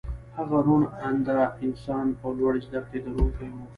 هغه روڼ انده انسان او لوړې زدکړې لرونکی و